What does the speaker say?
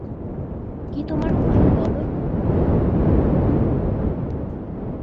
কী তোমার হুকুম, বলো।